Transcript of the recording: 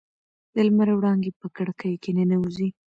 د لمر وړانګې په کړکۍ کې ننوځي.